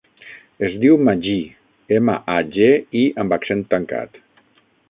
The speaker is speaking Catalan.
Es diu Magí: ema, a, ge, i amb accent tancat.